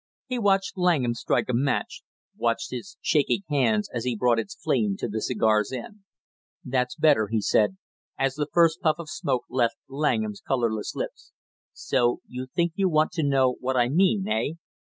He watched Langham strike a match, watched his shaking hands as he brought its flame to the cigar's end. "That's better," he said as the first puff of smoke left Langham's colorless lips. "So you think you want to know what I mean, eh?